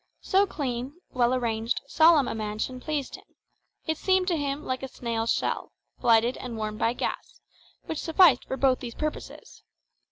So clean, well arranged, solemn a mansion pleased him; it seemed to him like a snail's shell, lighted and warmed by gas, which sufficed for both these purposes.